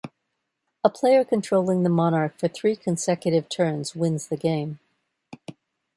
A player controlling the monarch for three consecutive turns wins the game.